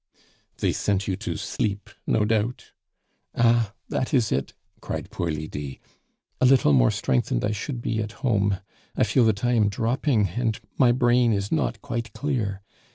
"They sent you to sleep, no doubt?" "Ah! that is it" cried poor Lydie. "A little more strength and I should be at home. I feel that I am dropping, and my brain is not quite clear.